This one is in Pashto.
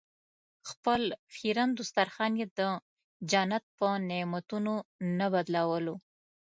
خپل خیرن دسترخوان یې د جنت په نعمتونو نه بدلولو.